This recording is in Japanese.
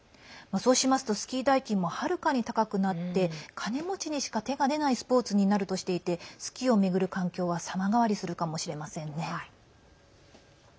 そうしますと、スキー代金もはるかに高くなって金持ちにしか手が出ないスポーツになるとしていてスキーを巡る環境は様変わりするかもしれませんね。